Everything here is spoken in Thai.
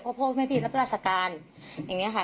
เพราะพ่อแม่พี่รับราชการอย่างนี้ค่ะ